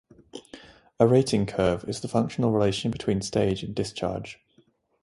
A rating curve is the functional relation between stage and discharge.